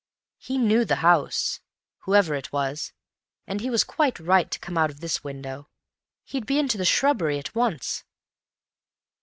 he knew the house, whoever it was, and he was quite right to come out of this window. He'd be into the shrubbery at once."